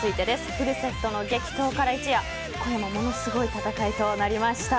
フルセットの激闘から一夜今夜もものすごい戦いとなりました。